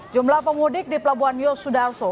jumlah pemudik di pelabuhan yosudarso